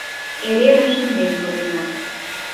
Эре рашемден кодена.